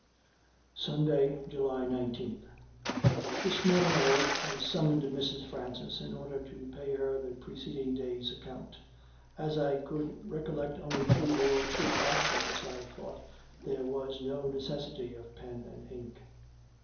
Sunday, July 19. This morning early I summoned Mrs. Francis, in order to pay her the preceding day's account. As I could recollect only two or three articles I thought there was no necessity of pen and ink.